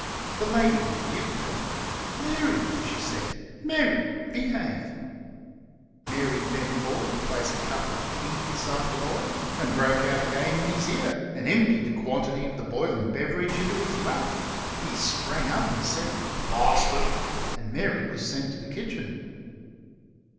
The lady rebuked her. "Mary!" she said; "Mary, behave!" Mary bent forward to place a cup of tea beside the lawyer, and broke out again in his ear and emptied a quantity of the boiling beverage into his lap. He sprang up and said "Blast it!" and Mary was sent to the kitchen.